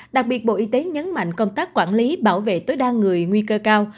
đặc biệt bộ y tế nhấn mạnh công tác quản lý bảo vệ tối đa người nguy cơ cao